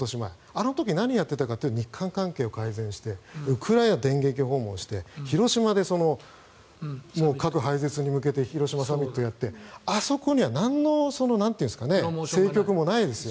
あの時何をやっていたかといえば日韓関係を改善してウクライナを電撃訪問して広島で核廃絶に向けて広島サミットをやってあそこにはなんの政局もないですよ。